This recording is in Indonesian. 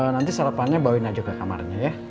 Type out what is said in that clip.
nanti sarapannya bawain aja ke kamarnya ya